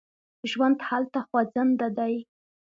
ژوند هلته خوځنده دی.